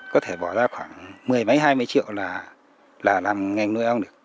có thể bỏ ra khoảng một mươi mấy hai mươi triệu là làm nghề nuôi ông được